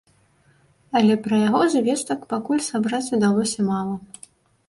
Але пра яго звестак пакуль сабраць удалося мала.